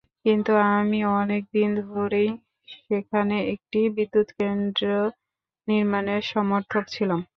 কিন্তু আমি অনেক দিন ধরেই সেখানে একটি বিদ্যুৎকেন্দ্র নির্মাণের সমর্থক ছিলাম।